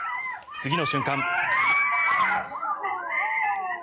次の瞬間。